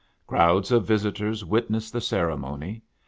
Crowds of visitors witnessed the ceremony.